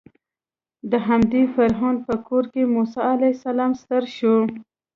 د همدې فرعون په کور کې موسی علیه السلام ستر شو.